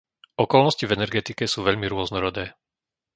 Okolnosti v energetike sú veľmi rôznorodé.